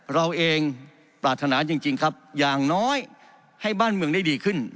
เราเองปรารถนาจริงครับอย่างน้อยให้บ้านเมืองได้ดีขึ้น